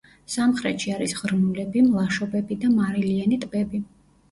სამხრეთში არის ღრმულები, მლაშობები და მარილიანი ტბები.